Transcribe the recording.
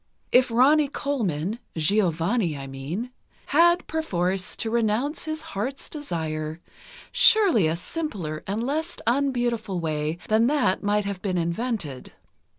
If Ronnie Colman—Giovanni, I mean—had, perforce, to renounce his heart's desire, surely a simpler and less unbeautiful way than that might have been invented.